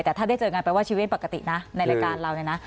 แต่ถ้าได้เจอกันแปลว่าชีวิตปกตินะในรายการเราเนี่ยนะ